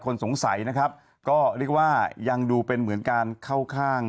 คนสงสัยนะครับก็เรียกว่ายังดูเป็นเหมือนการเข้าข้าง